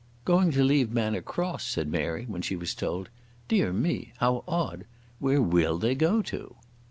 "Going to leave Manor Cross," said Mary, when she was told. "Dear me; how odd. Where will they go to?"